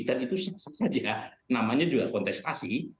dan itu saksanya namanya juga kontestasi